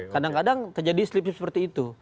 kadang kadang terjadi slip slip seperti itu